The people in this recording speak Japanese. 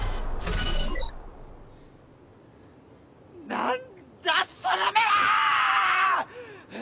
なんだその目は！